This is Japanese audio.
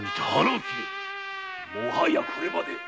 もはやこれまで。